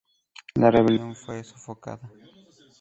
La rebelión fue sofocada.